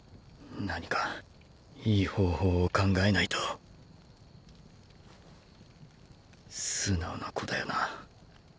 何かいい方法を考えないと素直な子だよな。